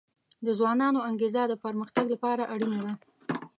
د ځوانانو انګیزه د پرمختګ لپاره اړینه ده.